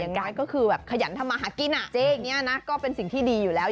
แต่ยังไงก็คือแบบขยันทำมาหักกินอะเจ๊เนี่ยนะก็เป็นสิ่งที่ดีอยู่แล้ว